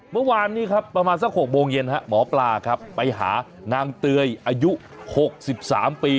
เมื่อวานนี้ครับประมาณสัก๖โมงเย็นหมอปลาครับไปหานางเตยอายุ๖๓ปี